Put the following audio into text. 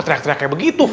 teriak teriaknya begitu